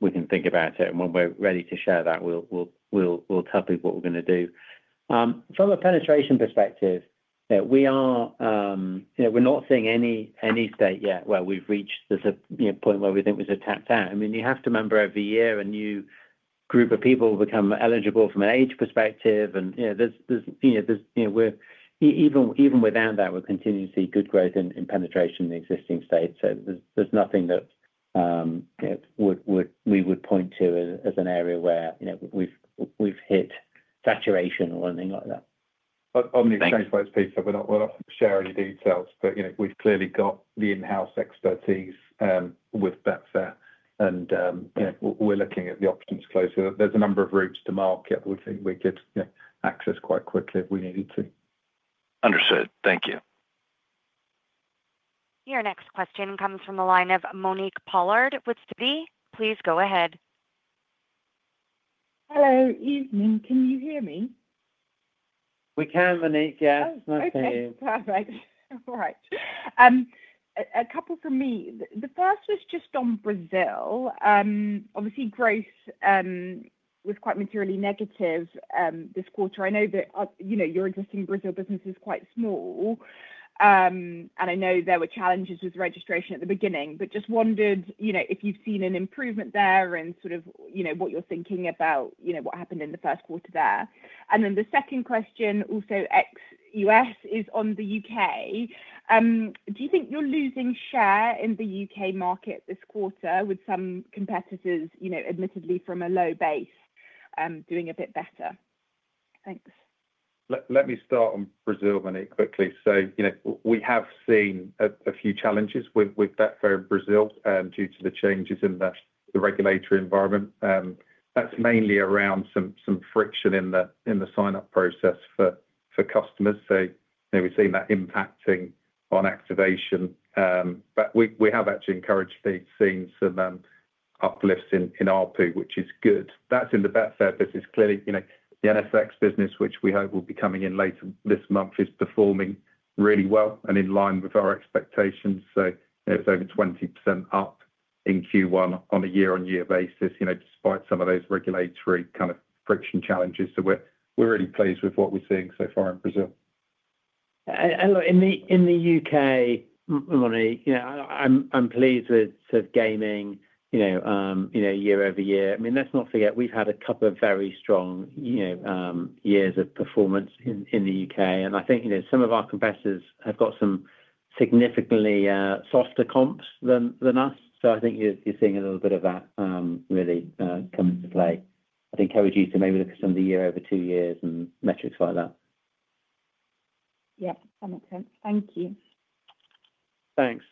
C: we can think about it. When we're ready to share that, we'll tell people what we're going to do. From a penetration perspective, we're not seeing any state yet where we've reached the point where we think we've attacked out. I mean, you have to remember every year a new group of people become eligible from an age perspective. Even without that, we're continuing to see good growth in penetration in existing states. There's nothing that we would point to as an area where we've hit saturation or anything like that.
D: On the exchange rates, Peter, we're not going to share any details. We have clearly got the in-house expertise with Betfair. We are looking at the options closer. There are a number of routes to market we think we could access quite quickly if we needed to.
L: Understood. Thank you.
A: Your next question comes from the line of Monique Pollard with Citi. Please go ahead.
M: Hello. Evening. Can you hear me?
F: We can, Monique. Yes, no problem.
M: Okay. Perfect. All right. A couple from me. The first was just on Brazil. Obviously, growth was quite materially negative this quarter. I know that your existing Brazil business is quite small. I know there were challenges with registration at the beginning. Just wondered if you've seen an improvement there and sort of what you're thinking about what happened in the first quarter there. The second question, also ex-U.S., is on the U.K. Do you think you're losing share in the U.K. market this quarter with some competitors, admittedly, from a low base doing a bit better? Thanks.
D: Let me start on Brazil, Monique, quickly. We have seen a few challenges with Betfair in Brazil due to the changes in the regulatory environment. That is mainly around some friction in the sign-up process for customers. We have seen that impacting on activation. We have actually encouraged these scenes and uplifts in ARPU, which is good. That is in the Betfair business. Clearly, the NSX business, which we hope will be coming in later this month, is performing really well and in line with our expectations. It is over 20% up in Q1 on a year-on-year basis, despite some of those regulatory kind of friction challenges. We are really pleased with what we are seeing so far in Brazil.
C: Look, in the U.K., Monique, I'm pleased with sort of gaming year over year. I mean, let's not forget, we've had a couple of very strong years of performance in the U.K. I think some of our competitors have got some significantly softer comps than us. I think you're seeing a little bit of that really come into play. I think I would use to maybe look at some of the year-over-2 years and metrics like that.
M: Yeah. That makes sense. Thank you.
L: Thanks.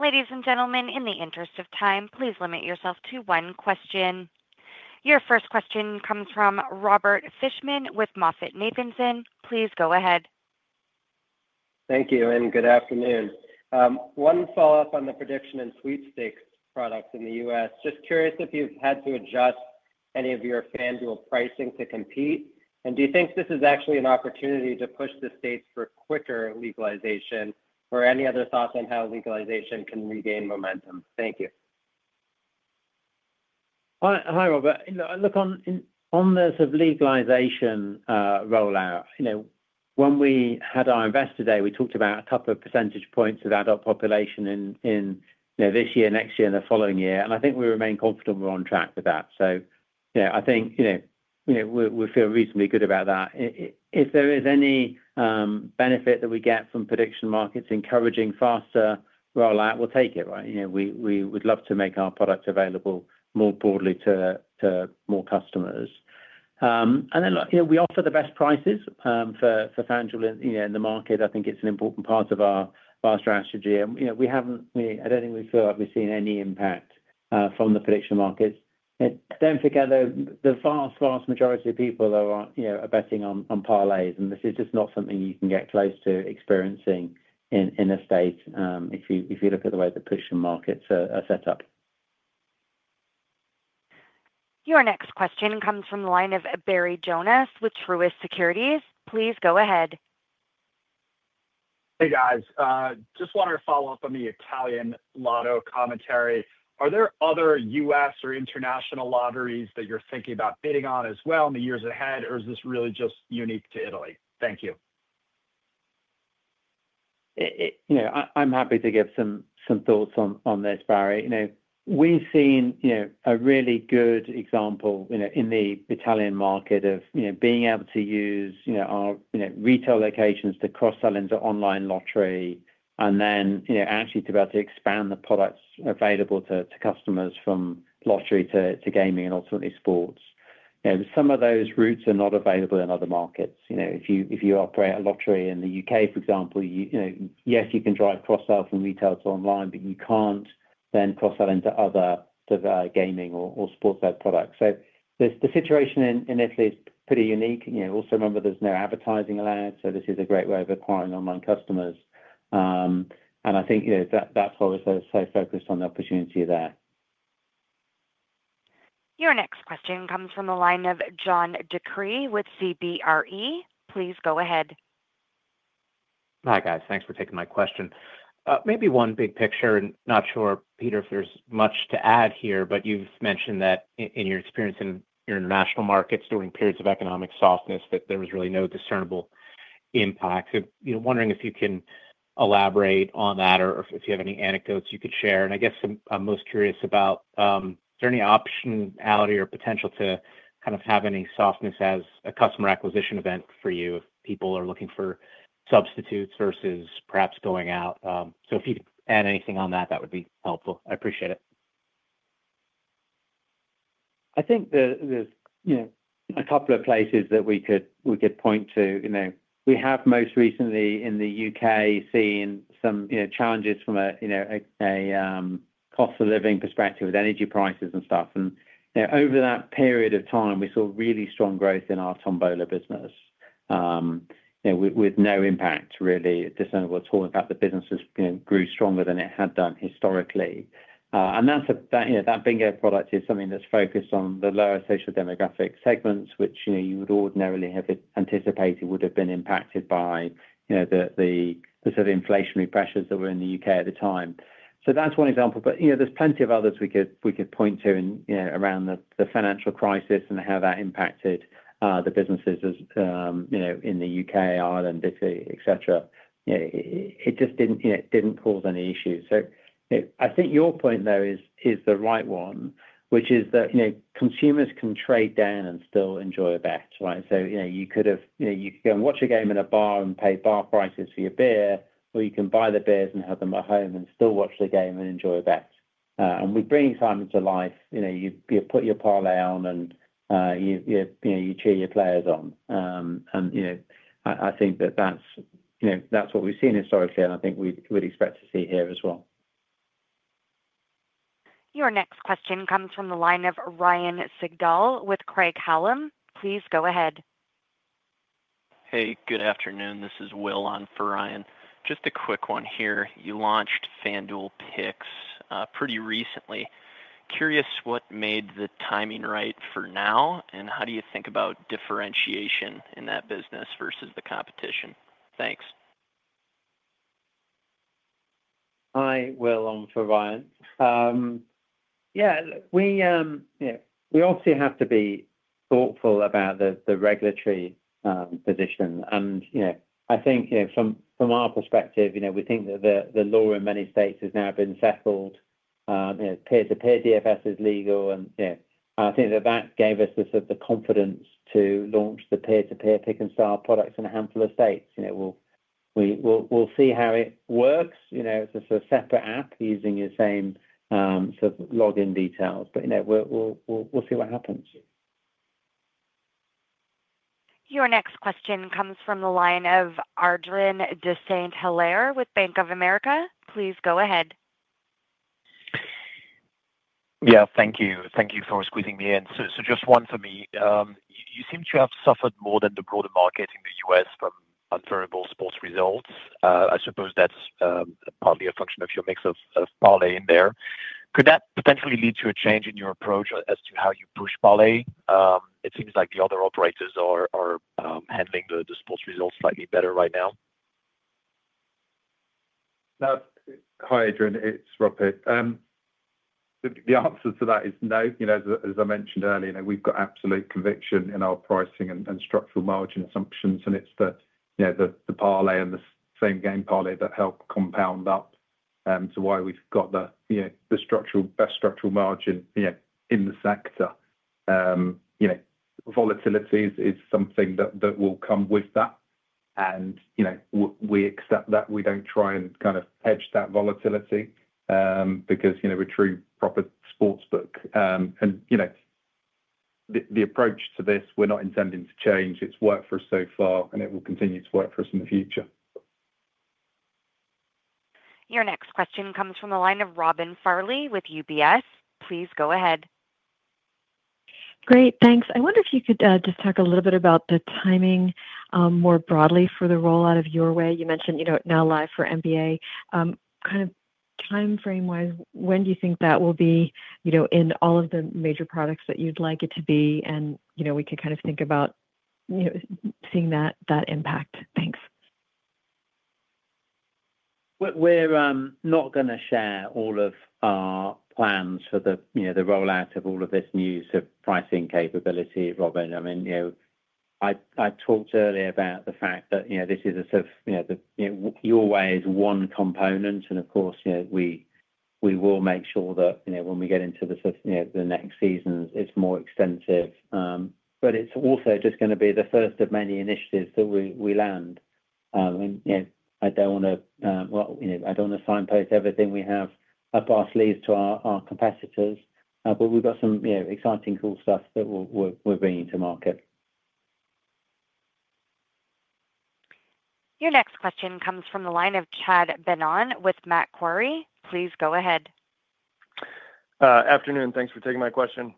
A: Ladies and gentlemen, in the interest of time, please limit yourself to one question. Your first question comes from Robert Fishman with MoffettNathanson. Please go ahead.
N: Thank you. And good afternoon. One follow-up on the prediction and sweepstakes products in the U.S. Just curious if you've had to adjust any of your FanDuel pricing to compete. And do you think this is actually an opportunity to push the states for quicker legalization? Or any other thoughts on how legalization can regain momentum? Thank you. Hi, Robert. Look, on this legalization rollout, when we had our investor day, we talked about a couple of percentage points of adult population in this year, next year, and the following year. I think we remain confident we're on track with that. I think we feel reasonably good about that. If there is any benefit that we get from prediction markets encouraging faster rollout, we'll take it, right? We would love to make our product available more broadly to more customers. Look, we offer the best prices for FanDuel in the market. I think it's an important part of our strategy. I don't think we feel like we've seen any impact from the prediction markets. Don't forget, though, the vast, vast majority of people are betting on parlays. This is just not something you can get close to experiencing in a state if you look at the way the prediction markets are set up.
A: Your next question comes from the line of Barry Jonas with Truist Securities. Please go ahead.
D: Hey, guys. Just wanted to follow up on the Italian lotto commentary. Are there other US or international lotteries that you're thinking about bidding on as well in the years ahead, or is this really just unique to Italy? Thank you.
F: I'm happy to give some thoughts on this, Barry. We've seen a really good example in the Italian market of being able to use our retail locations to cross-sell into online lottery and then actually to be able to expand the products available to customers from lottery to gaming and ultimately sports. Some of those routes are not available in other markets. If you operate a lottery in the U.K., for example, yes, you can drive cross-sell from retail to online, but you can't then cross-sell into other gaming or sports-led products. The situation in Italy is pretty unique. Also, remember, there's no advertising allowed. This is a great way of acquiring online customers. I think that's why we're so focused on the opportunity there.
C: Your next question comes from the line of John DeCree with CBRE. Please go ahead.
L: Hi, guys. Thanks for taking my question. Maybe one big picture. Not sure, Peter, if there's much to add here, but you've mentioned that in your experience in your international markets during periods of economic softness, that there was really no discernible impact. Wondering if you can elaborate on that or if you have any anecdotes you could share. I guess I'm most curious about, is there any optionality or potential to kind of have any softness as a customer acquisition event for you if people are looking for substitutes versus perhaps going out? If you could add anything on that, that would be helpful. I appreciate it.
F: I think there's a couple of places that we could point to. We have most recently in the U.K. seen some challenges from a cost-of-living perspective with energy prices and stuff. Over that period of time, we saw really strong growth in our Tombola business with no impact, really. At this end, we're talking about the businesses grew stronger than it had done historically. That Bingo product is something that's focused on the lower social demographic segments, which you would ordinarily have anticipated would have been impacted by the sort of inflationary pressures that were in the U.K. at the time. That's one example. There are plenty of others we could point to around the financial crisis and how that impacted the businesses in the U.K., Ireland, Italy, etc. It just didn't cause any issues. I think your point, though, is the right one, which is that consumers can trade down and still enjoy a bet, right? You could go and watch a game in a bar and pay bar prices for your beer, or you can buy the beers and have them at home and still watch the game and enjoy a bet. We bring excitement to life. You put your parlay on, and you cheer your players on. I think that that's what we've seen historically, and I think we'd expect to see here as well.
C: Your next question comes from the line of Ryan Sigdahl with Craig-Hallum Capital Group. Please go ahead.
L: Hey, good afternoon. This is Will on for Ryan. Just a quick one here. You launched FanDuel Picks pretty recently. Curious what made the timing right for now, and how do you think about differentiation in that business versus the competition? Thanks.
F: Hi, Will on for Ryan. Yeah. We obviously have to be thoughtful about the regulatory position. I think from our perspective, we think that the law in many states has now been settled. Peer-to-peer DFS is legal. I think that that gave us the confidence to launch the peer-to-peer pick-and-style products in a handful of states. We'll see how it works. It's a separate app using your same sort of login details. We'll see what happens.
C: Your next question comes from the line of Adrien de Saint Hilaire with Bank of America. Please go ahead.
D: Yeah. Thank you. Thank you for squeezing me in. So just one for me. You seem to have suffered more than the broader market in the U.S. from unfavorable sports results. I suppose that's partly a function of your mix of parlay in there. Could that potentially lead to a change in your approach as to how you push parlay? It seems like the other operators are handling the sports results slightly better right now. Hi, Adrien. It's Robert. The answer to that is no. As I mentioned earlier, we've got absolute conviction in our pricing and structural margin assumptions. And it's the parlay and the same game parlay that help compound up to why we've got the best structural margin in the sector. Volatility is something that will come with that. And we accept that. We don't try and kind of hedge that volatility because we're true proper sportsbook. The approach to this, we're not intending to change. It's worked for us so far, and it will continue to work for us in the future.
C: Your next question comes from the line of Robin Farley with UBS. Please go ahead.
E: Great. Thanks. I wonder if you could just talk a little bit about the timing more broadly for the rollout of Your Way. You mentioned now live for NBA. Kind of timeframe-wise, when do you think that will be in all of the major products that you'd like it to be? And we could kind of think about seeing that impact. Thanks.
F: We're not going to share all of our plans for the rollout of all of this new pricing capability, Robin. I mean, I talked earlier about the fact that this is a sort of Your Way is one component. Of course, we will make sure that when we get into the next seasons, it's more extensive. It's also just going to be the first of many initiatives that we land. I don't want to, well, I don't want to signpost everything we have up our sleeves to our competitors. We've got some exciting, cool stuff that we're bringing to market.
C: Your next question comes from the line of Chad Beynon with Macquarie. Please go ahead.
G: Afternoon. Thanks for taking my question.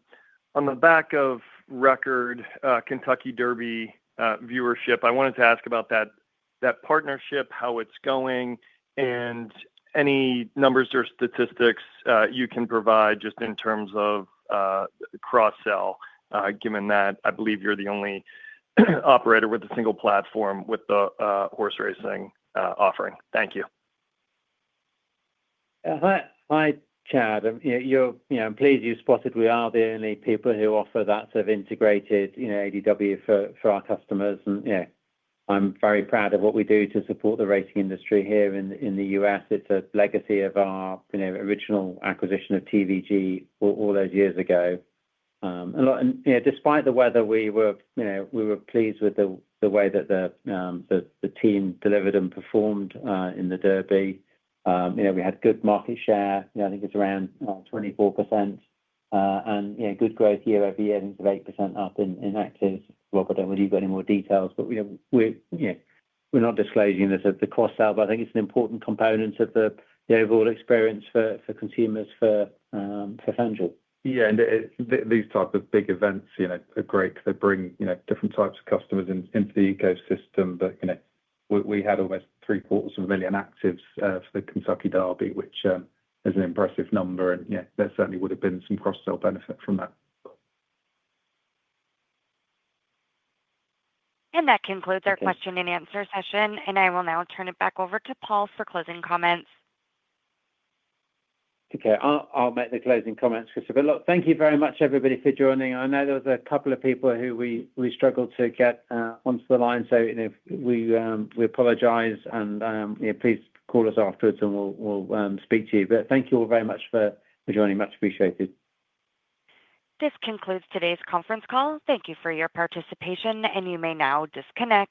G: On the back of record Kentucky Derby viewership, I wanted to ask about that partnership, how it's going, and any numbers or statistics you can provide just in terms of cross-sell, given that I believe you're the only operator with a single platform with the horse racing offering. Thank you.
F: Hi, Chad. I'm pleased you spotted we are the only people who offer that sort of integrated ADW for our customers. I'm very proud of what we do to support the racing industry here in the U.S. It's a legacy of our original acquisition of TVG all those years ago. Despite the weather, we were pleased with the way that the team delivered and performed in the Derby. We had good market share. I think it's around 24%. Good growth year over year, I think it's 8% up in active Robert. I won't give you any more details, but we're not disclosing the cross-sell. I think it's an important component of the overall experience for consumers for FanDuel.
D: Yeah. These type of big events are great. They bring different types of customers into the ecosystem. We had almost 750,000 actives for the Kentucky Derby, which is an impressive number. There certainly would have been some cross-sell benefit from that.
C: That concludes our question and answer session. I will now turn it back over to Paul for closing comments.
F: Okay. I'll make the closing comments for a little bit. Look, thank you very much, everybody, for joining. I know there was a couple of people who we struggled to get onto the line. We apologize. Please call us afterwards, and we'll speak to you. Thank you all very much for joining. Much appreciated.
C: This concludes today's conference call. Thank you for your participation. You may now disconnect.